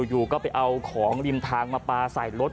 อยู่ก็ไปเอาของริมทางมาปลาใส่รถ